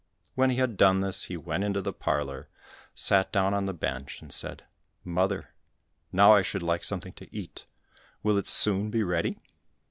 When he had done this, he went into the parlour, sat down on the bench and said, "Mother, now I should like something to eat, will it soon be ready?"